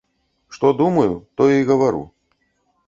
Што думаю, тое і гавару.